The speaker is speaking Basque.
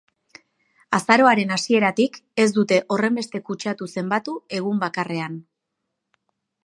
Azaroaren hasieratik ez dute horrenbeste kutsatu zenbatu egun bakarrean.